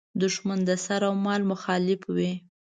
دوښمن د سر او مال مخالف وي.